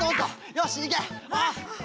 よしいけ！